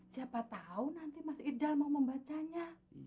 siapa tahu nanti mas irjal mau membacanya